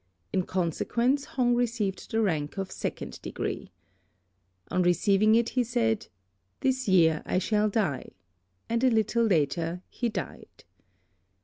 In consequence, Hong received the rank of Second Degree. On receiving it he said, "This year I shall die," and a little later he died.